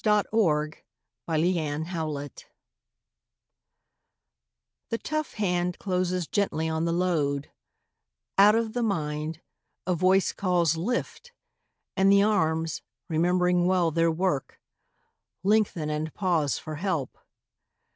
62 MAN CARRYING BALE r I ^HE tough hand closes gently on the load ; X Out of the mind, a voice Calls " Lift !" and the arms, remembering well their work, Lengthen and pause for help.